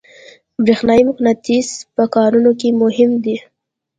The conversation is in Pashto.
برېښنایي مقناطیس په کارونو کې مهم دی.